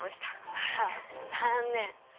あら残念。